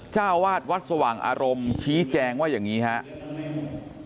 เจ้าวาดวัดสว่างอารมณ์ชี้แจงว่าอย่างนี้ครับ